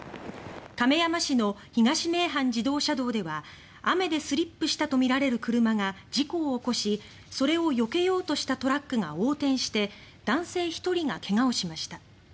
亀山市の東名阪自動車道では雨でスリップしたとみられる車が事故を起こしそれをよけようとしたトラックが横転して男性１人が怪我をしました。